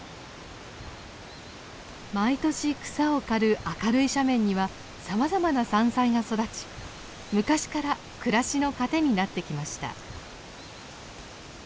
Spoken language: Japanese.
毎年草を刈る明るい斜面にはさまざまな山菜が育ち昔から暮らしの糧になってきました。